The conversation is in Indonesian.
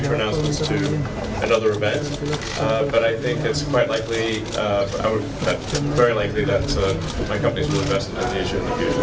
bahwa perusahaan saya akan berinvestasi di indonesia